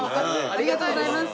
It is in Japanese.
ありがとうございます。